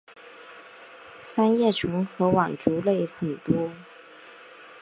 三叶虫和腕足类很多。